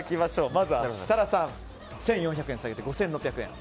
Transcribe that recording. まずは設楽さん１４００円下げて５６００円。